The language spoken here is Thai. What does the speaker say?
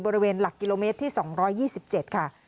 หลักกิโลเมตรที่๒๒๗ค่ะ